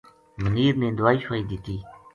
منیر نے دوائی شوائی دِتی